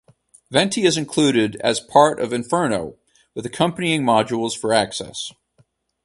Venti is included as part of Inferno with accompanying modules for access.